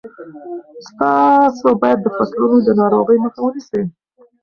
تاسو باید د فصلونو د ناروغیو مخه ونیسئ.